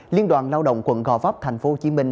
liên đoàn lao động quận gò vấp thành phố hồ chí minh